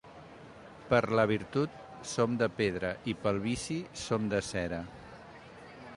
Per la virtut som de pedra i pel vici som de cera.